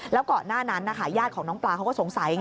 แล้วก่อนหน้านั้นนะคะญาติของน้องปลาเขาก็สงสัยไง